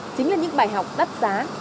chính là những bài học đắt giá